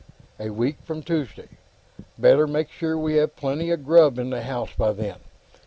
A week from Tuesday. Better make sure we have plenty of grub in the house by then.